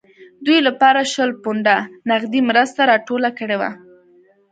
دوی لپاره شل پونډه نغدي مرسته راټوله کړې وه.